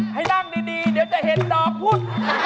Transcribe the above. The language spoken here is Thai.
ให้นั่งดีเดี๋ยวจะเห็นดอกพุธ